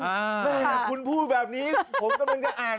แม่คุณพูดแบบนี้ผมกำลังจะอ่าน